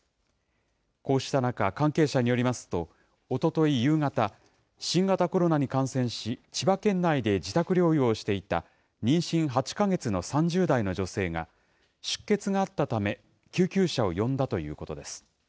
こうした中、関係者によりますと、おととい夕方、新型コロナに感染し、千葉県内で自宅療養をしていた妊娠８か月の３０代の女性が、出血があったため、救急車を呼んだということです。